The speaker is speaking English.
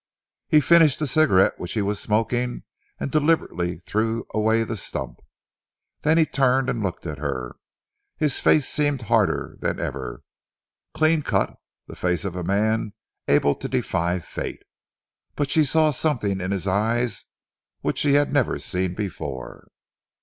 He finished the cigarette which he was smoking and deliberately threw away the stump. Then he turned and looked at her. His face seemed harder than ever, clean cut, the face of a man able to defy Fate, but she saw something in his eyes which she had never seen before.